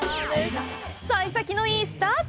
さい先のいいスタート！